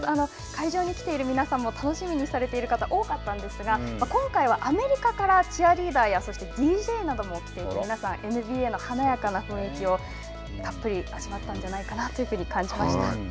会場に来ている皆さんも楽しみにされている方も多かったんですが今回はアメリカからチアリーダーやそしてＤＪなども来ていて皆さんＮＢＡの華やかな雰囲気をたっぷり味わったんじゃないかなというふうに感じました。